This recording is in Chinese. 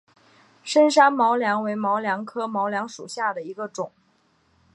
深山毛茛为毛茛科毛茛属下的一个种。